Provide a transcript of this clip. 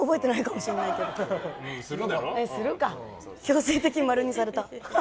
強制的に○にされた。